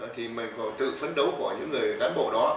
thì mình còn tự phấn đấu bỏ những người cán bộ đó